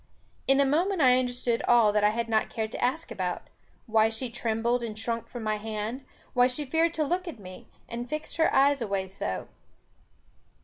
In a moment I understood all that I had not cared to ask about; why she trembled and shrunk from my hand, why she feared to look at me, and fixed her eyes away so.